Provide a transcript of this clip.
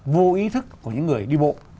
vô ý thức của những người đi bộ